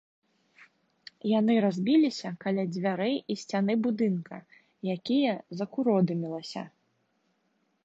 Яны разбіліся каля дзвярэй і сцяны будынка, якія закуродымілася.